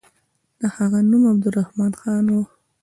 د هغه نوم عبدالرحمن خان وو.